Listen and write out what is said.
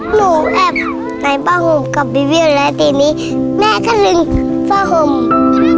หนูแอบในฟ้าหงษ์กับบิวโว้และตีนี้แม่ก็ลึงเป้าหงษ์